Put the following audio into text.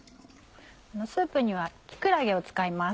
スープには木くらげを使います。